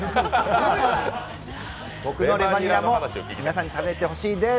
僕のレバニラも皆さんに食べてほしいです。